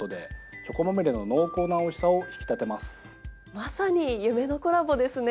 まさに夢のコラボですね。